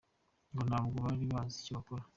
Ngo ntabwo bari bazi icyo bakora ?